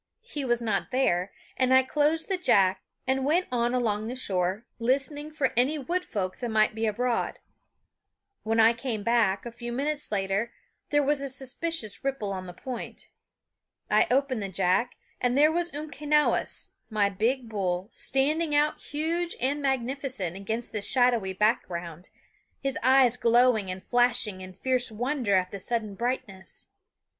He was not there, and I closed the jack and went on along the shore, listening for any wood folk that might be abroad. When I came back, a few minutes later, there was a suspicious ripple on the point. I opened the jack, and there was Umquenawis, my big bull, standing out huge and magnificent against the shadowy background, his eyes glowing and flashing in fierce wonder at the sudden brightness.